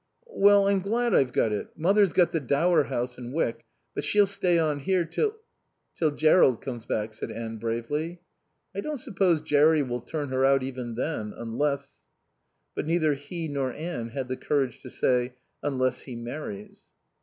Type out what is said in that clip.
"Well, I'm glad I've got it. Mother's got the Dower House in Wyck. But she'll stay on here till " "Till Jerrold comes back," said Anne bravely. "I don't suppose Jerry'll turn her out even then. Unless " But neither he nor Anne had the courage to say "unless he marries."